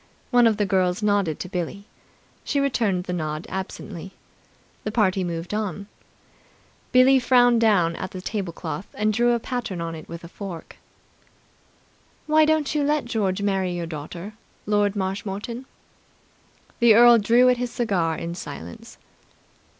One of the girls nodded to Billie. She returned the nod absently. The party moved on. Billie frowned down at the tablecloth and drew a pattern on it with a fork. "Why don't you let George marry your daughter, Lord Marshmoreton?" The earl drew at his cigar in silence.